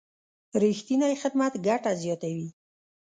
رښتینی خدمت ګټه زیاتوي.